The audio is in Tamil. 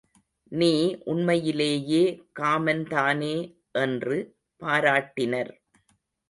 நீ உண்மையிலேயே காமன் தானே என்று பாராட்டினர்.